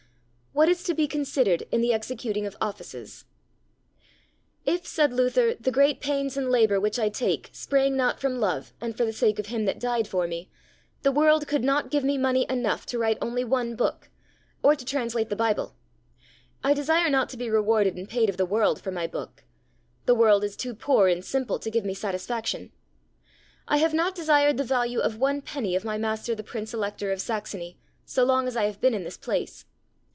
What is to be considered in the executing of Offices. If, said Luther, the great pains and labour which I take sprang not from love and for the sake of him that died for me, the world could not give me money enough to write only one book, or to translate the Bible. I desire not to be rewarded and paid of the world for my book; the world is too poor and simple to give me satisfaction. I have not desired the value of one penny of my master the Prince Elector of Saxony, so long as I have been in this place.